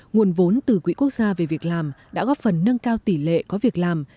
nguồn vốn từ quỹ quốc gia về việc làm đã góp phần nâng cao tỷ lệ có việc làm